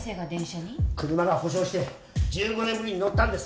車が故障して１５年ぶりに乗ったんです。